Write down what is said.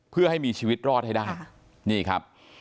เพื่อให้มีชีวิตรอดให้ได้นี่ครับ